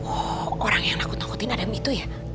oh orang yang nakut nakutin adam itu ya